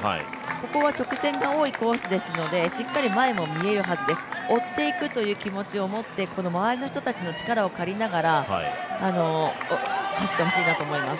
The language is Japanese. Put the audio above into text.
ここは直線が多いコースですのでしっかり前も見えるはずです追っていくという気持ちを持って、周りの人たちの力を借りながら走ってほしいなと思います。